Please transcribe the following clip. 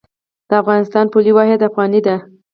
د افغانستان پولي واحد افغانۍ ده